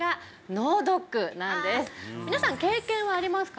はい皆さん経験はありますか？